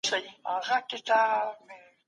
د دغي کوڅې په مابينځ کي د شکر یو نوی احساس پیدا سو.